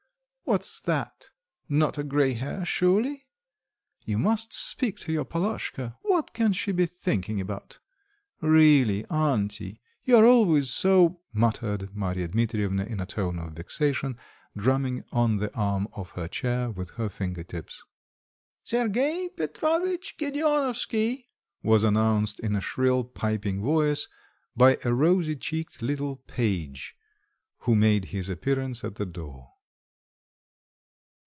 "What's that, not a grey hair surely? You must speak to your Palashka, what can she be thinking about?" "Really, auntie, you are always so..." muttered Marya Dmitrievna in a tone of vexation, drumming on the arm of her chair with her finger tips. "Sergei Petrovitch Gedeonovsky!" was announced in a shrill piping voice, by a rosy cheeked little page who made his appearance at the door.